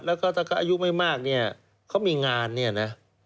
แล้วก็ถ้าเขาอายุไม่มากเนี่ยเขามีงานเนี่ยนะ